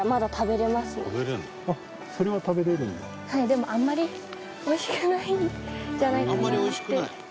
でもあんまりおいしくないんじゃないかなって。